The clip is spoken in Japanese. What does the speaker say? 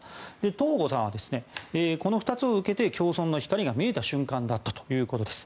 東郷さんはこの２つを受けて共存の光が見えた瞬間だったということです。